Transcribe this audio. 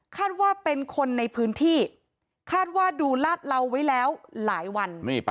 คาดว่าเป็นคนในพื้นที่คาดว่าดูลาดเหลาไว้แล้วหลายวัน